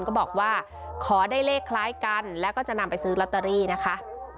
ก็บอกว่าขอได้เลขคล้ายกันแล้วก็จะนำไปซื้อลอตเตอรี่นะคะ